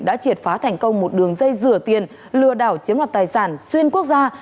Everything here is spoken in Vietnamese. đã triệt phá thành công một đường dây rửa tiền lừa đảo chiếm đoạt tài sản xuyên quốc gia